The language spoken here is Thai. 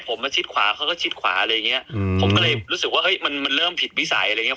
ผมมาชิดขวาเขาก็ชิดขวาอะไรอย่างเงี้ยอืมผมก็เลยรู้สึกว่าเอ้ยมันมันเริ่มผิดวิสัยอะไรอย่างเง